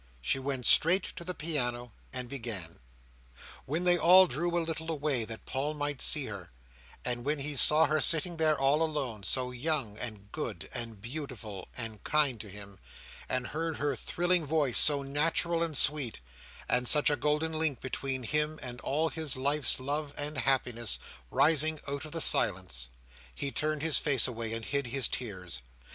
she went straight to the piano, and began. When they all drew a little away, that Paul might see her; and when he saw her sitting there all alone, so young, and good, and beautiful, and kind to him; and heard her thrilling voice, so natural and sweet, and such a golden link between him and all his life's love and happiness, rising out of the silence; he turned his face away, and hid his tears.